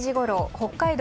北海道